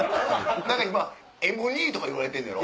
今Ｍ兄とか言われてんねやろ？